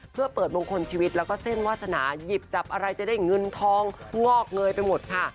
เพื่อเปิดมงคลชีวิตแล้วก็เส้นวาสนาหยิบจับอะไรจะได้เงินทองงอกเงยไปหมดค่ะ